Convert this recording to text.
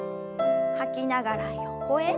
吐きながら横へ。